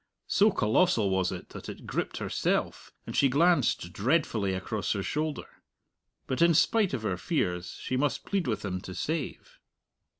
So colossal was it that it gripped herself, and she glanced dreadfully across her shoulder. But in spite of her fears she must plead with him to save.